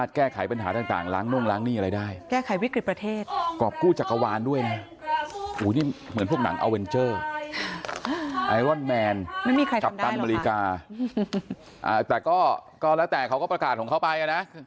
แต่ก็แล้วแต่เขาก็ประกาศของเขาไปนะ